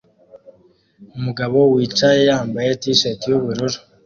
Umugabo wicaye yambaye T-shati yubururu